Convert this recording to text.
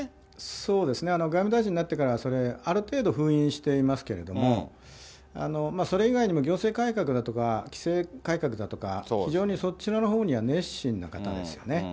そうですね、外務大臣になってから、それ、ある程度、封印していますけれども、それ以外にも、行政改革だとか、規制改革だとか、非常にそちらのほうには熱心な方ですよね。